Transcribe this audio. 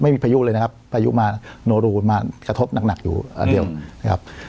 พายุเลยนะครับพายุมาโนรูมากระทบหนักอยู่อันเดียวนะครับ